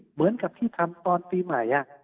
เหมือนกับที่ทำตอนปีใหม่